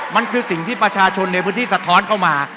มันคือสิ่งที่ประชาชนในพื้นที่สะท้อนเข้ามา